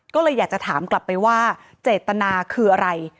ก็เลยอยากจะถามกลับไปว่าเจตนาคืออะไร